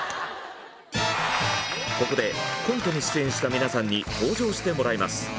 ここでコントに出演した皆さんに登場してもらいます。